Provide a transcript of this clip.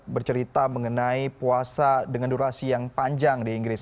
bercerita mengenai puasa dengan durasi yang panjang di inggris